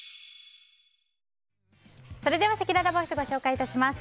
それでは、せきららボイスご紹介致します。